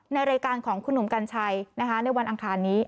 ในรายการของคุณหนุ่มกัญชัยในวันอังคารนี้